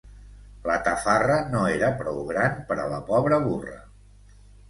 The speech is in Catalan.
La tafarra no era prou gran per a la pobra burra.